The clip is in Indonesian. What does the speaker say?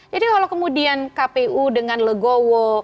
jadi kalau kemudian kpu dengan legowo